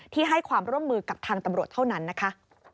ให้ความร่วมมือกับทางตำรวจเท่านั้นนะคะ